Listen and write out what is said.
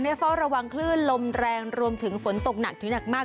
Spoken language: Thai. เฝ้าระวังคลื่นลมแรงรวมถึงฝนตกหนักถึงหนักมาก